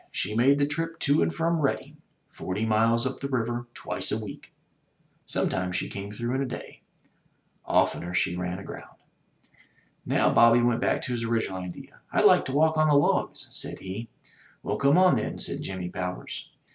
She made the trip to and from Redding, forty miles up the river, twice a week. Sometimes she came through in a day. Oftener she ran aground. Now Bobby went back to his original idea. "Td like to walk on the logs," said he. "Well, come on, then," said Jimmy Powers.